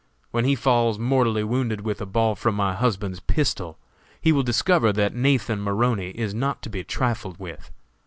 When he falls, mortally wounded with a ball from my husband's pistol, he will discover that Nathan Maroney is not to be trifled with.